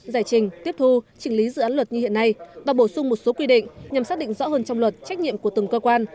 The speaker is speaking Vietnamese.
giải trình tiếp thu trình lý dự án luật như hiện nay và bổ sung một số quy định nhằm xác định rõ hơn trong luật trách nhiệm của từng cơ quan